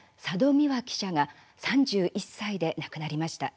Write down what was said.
未和記者が３１歳で亡くなりました。